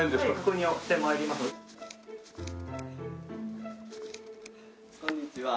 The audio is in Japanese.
こんにちは。